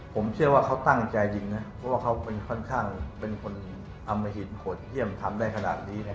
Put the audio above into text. ผมเชื่อว่าเขาตั้งใจยิงนะเพราะว่าเขาค่อนข้างเป็นคนอมหินโหดเยี่ยมทำได้ขนาดนี้